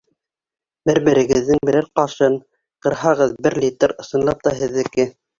Бер-берегеҙҙең берәр ҡашын ҡырһағыҙ, бер литр, ысынлап та, һеҙҙеке.